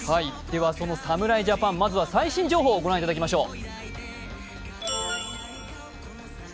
その侍ジャパン、まずは最新情報をご覧いただきましょう。